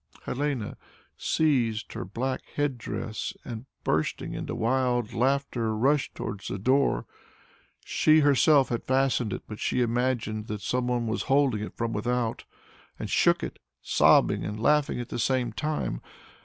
Helene seized her black head dress and bursting into wild laughter rushed towards the door. She herself had fastened it, but she imagined that some one was holding it from without, and shook it, sobbing and laughing at the same time.